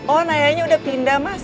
oh nayanya udah pindah mas